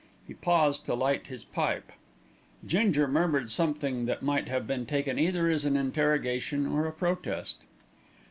He paused to light his pipe. Ginger murmured something that might have been taken either as an interrogation or a protest.